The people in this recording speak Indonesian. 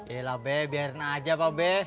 yelah be biarin aja pak be